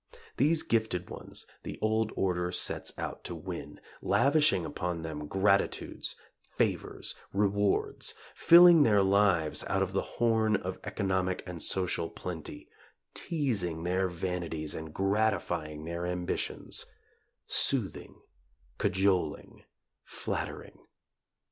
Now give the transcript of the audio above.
These gifted ones the old order sets out to win lavishing upon them gratitudes, favors, rewards; filling their lives out of the horn of economic and social plenty; teasing their vanities and gratifying their ambitions; soothing, cajoling, flattering.